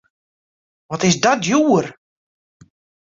Wat is dat djoer!